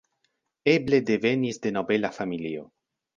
Eble devenis de nobela familio.